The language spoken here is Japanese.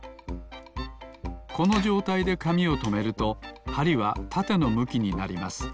このじょうたいでかみをとめるとはりはたてのむきになります。